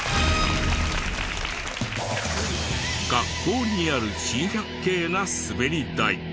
学校にある珍百景なスベリ台。